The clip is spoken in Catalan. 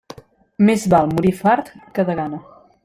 Més val morir fart que de gana.